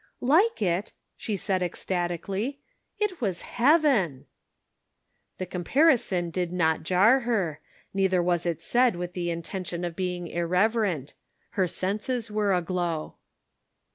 " Like it !" she said, ecstatically, " it was heaven !" The comparison did not jar her, neither was it said with an intention of being irreverent; her senses were aglow.